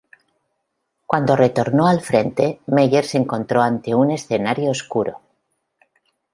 Cuando retornó al frente, Meyer se encontró ante un escenario oscuro.